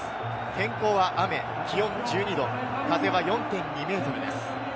天候は雨、気温１２度、風は４．２メートルです。